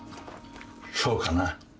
そうかな？